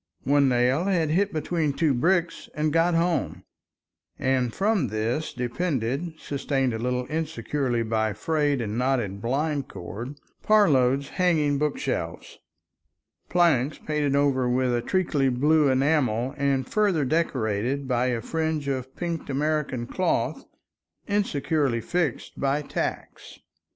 One nail had hit between two bricks and got home, and from this depended, sustained a little insecurely by frayed and knotted blind cord, Parload's hanging bookshelves, planks painted over with a treacly blue enamel and further decorated by a fringe of pinked American cloth insecurely fixed by tacks.